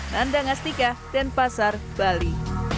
nandang astika dan pasar bali